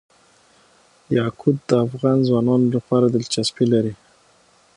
یاقوت د افغان ځوانانو لپاره دلچسپي لري.